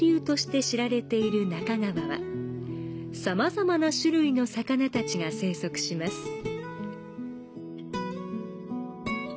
さまざまな種類の魚たちが生息します。